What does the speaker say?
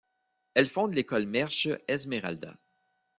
Elle fonde l'École Merche Esmeralda.